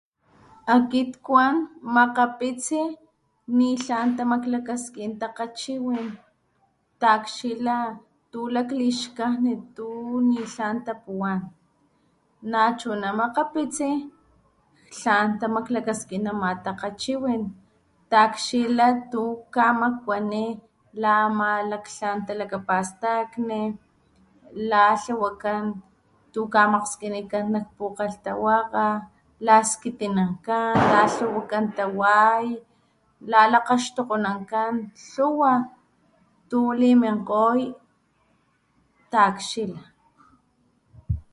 Akit kuan makgapitsi nitlan tamaklakaskin takgachiwin taakxila tu laklixkajnit tu ni tlan tapuwan, nachuna makgapitsi tlan tamaklakaskin ama takgachiwin taakxila tu kamakuani la ama laktlan talakapastakni la tlawakan tu kamakgskinikan nakpukgalhtawakga laskitinankan, la tlawakan taway, la lakgaxtokgonankan lhuwa tuliminkgoy ta´akxila.